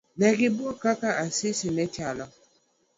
Negibuok kaka Asisi nechalo.